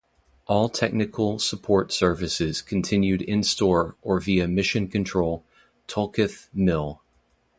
All technical support services continued in store or via Mission Control, Tulketh Mill.